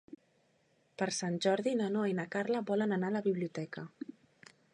Per Sant Jordi na Noa i na Carla volen anar a la biblioteca.